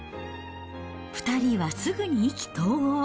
２人はすぐに意気投合。